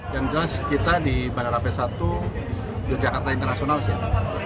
yang terakhir kita di bandara p satu yogyakarta internasional sih ya